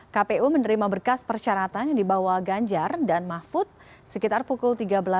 kpu menerima berkas persyaratan yang dibawa ganjar dan mahfud sekitar pukul tiga belas dua puluh